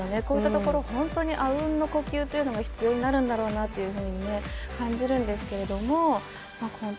こういったところ本当にあうんの呼吸が必要になってくるんだろうなと感じるんですけれども。